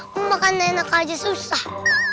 aku makan enak aja susah